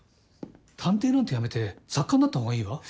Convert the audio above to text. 探偵なんてやめて作家になった方がいいわ。